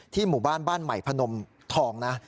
หมู่บ้านบ้านใหม่พนมทองนะ